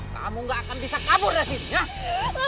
kamu gak akan bisa kabur dari sini